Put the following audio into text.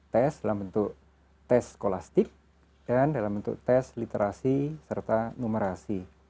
tes dalam bentuk tes kolastik dan dalam bentuk tes literasi serta numerasi